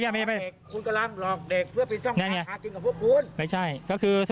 ใช่ไหมใช่ไหม